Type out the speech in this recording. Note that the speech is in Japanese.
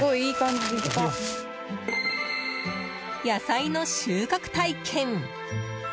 野菜の収穫体験。